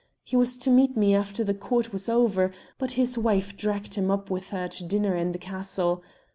He was to meet me after the court was over, but his wife dragged him up with her to dinner in the castle.